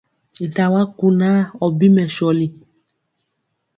Nta wa kunaa ɔ bi mɛsɔli!